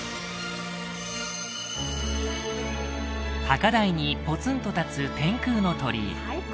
高台にポツンと立つ天空の鳥居